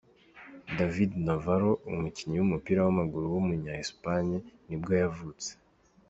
David Navarro, umukinnyi w’umupira w’amaguru w’umunya-Espagne nibwo yavutse.